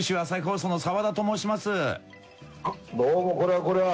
どうもこれはこれは。